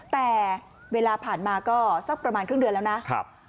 แต่เวลาผ่านมาก็สักประมาณครึ่งเดือนแล้วนะ